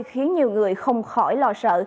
khiến nhiều người không khỏi lo sợ